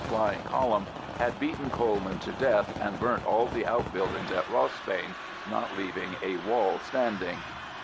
flying column had beaten Coleman to death and burnt all the outbuildings at Rossbane, not leaving a wall standing.